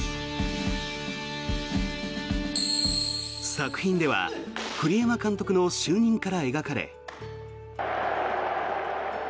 作品では栗山監督の就任から描かれ。